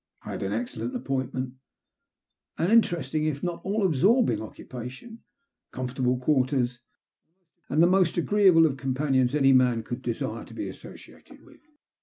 I had an excellent appointment, an in teresting, if not all absorbing, occupation, comfortable quarters, and the most agreeable of companions any man could desire to be associated with.